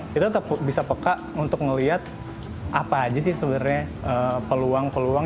kita tetap bisa peka untuk melihat apa aja sih sebenarnya peluang peluang